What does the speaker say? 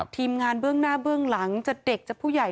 ทีมงานเบื้องหน้าเบื้องหลังจะเด็กจะผู้ใหญ่